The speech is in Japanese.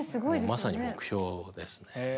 まさに目標ですね。